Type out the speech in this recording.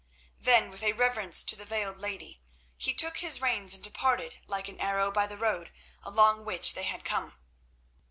Then with a reverence to the veiled lady, he shook his reins and departed like an arrow by the road along which they had come.